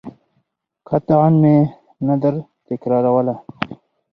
قطعاً مې نه درتکراروله.